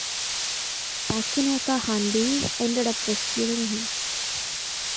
Takenaka Hanbei ended up rescuing him.